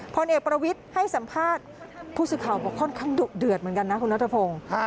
พลเอกประวิทย์ให้สัมภาษณ์ผู้สื่อข่าวบอกค่อนข้างดุเดือดเหมือนกันนะคุณนัทพงศ์